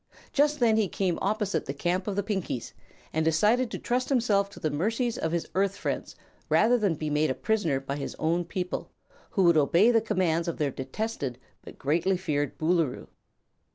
Just then he came opposite the camp of the Pinkies and decided to trust himself to the mercies of his Earth friends rather than be made a prisoner by his own people, who would obey the commands of their detested but greatly feared Boolooroo.